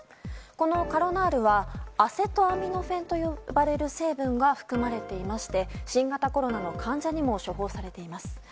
このカロナールはアセトアミノフェンと呼ばれる成分が含まれていまして新型コロナの患者にも処方されています。